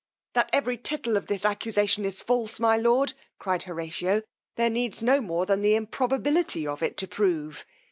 That every tittle of this accusation is false, my lord, cried Horatio, there needs no more than the improbability of it to prove.